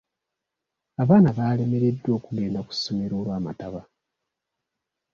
Abaana baalemereddwa okugenda ku ssomero olw'amataba.